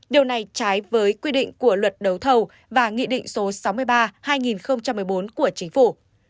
điều này trái với quy định của luật đấu thầu và nghị định số sáu mươi ba hai nghìn một mươi bốn của chính phủ